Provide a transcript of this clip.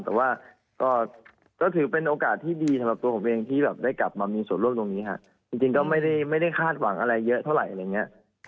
แต่ว่าก็ถือเป็นโอกาสที่ดีสำหรับตัวผมเองที่แบบได้กลับมามีส่วนร่วมตรงนี้ค่ะจริงก็ไม่ได้คาดหวังอะไรเยอะเท่าไหร่อะไรอย่างนี้